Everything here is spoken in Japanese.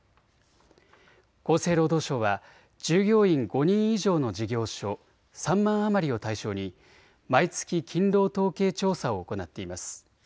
厚生労働省は従業員５人以上の事業所３万余りを対象に毎月勤労統計調査を行っています。